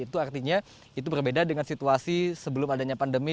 itu artinya itu berbeda dengan situasi sebelum adanya pandemi